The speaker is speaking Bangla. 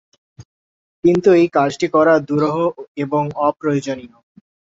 কিন্তু এ কাজটি করা দুরূহ এবং অপ্রয়োজনীয়।